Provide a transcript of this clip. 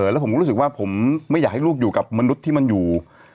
แล้วผมก็รู้สึกว่าผมไม่อยากให้ลูกอยู่กับมนุษย์ที่มันอยู่